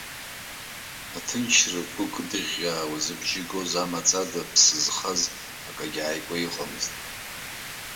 Аҭынчра агәы кыдыӷьӷьаауа зыбжьы гоз амаҵа ада ԥсы зхаз акгьы иааигәа иҟамызт.